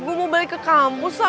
gue mau balik ke kampus lah